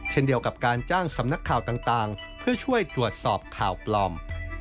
เช่นเดียวกับการจ้างสำนักข่าวต่างเพื่อช่วยตรวจสอบข่าวปลอม